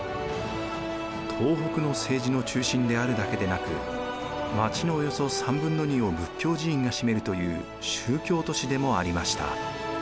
東北の政治の中心であるだけでなく町のおよそ３分の２を仏教寺院が占めるという宗教都市でもありました。